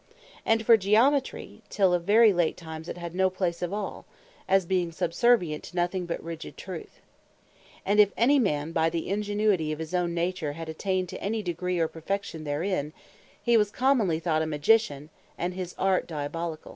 And for Geometry, till of very late times it had no place at all; as being subservient to nothing but rigide Truth. And if any man by the ingenuity of his owne nature, had attained to any degree of perfection therein, hee was commonly thought a Magician, and his Art Diabolicall.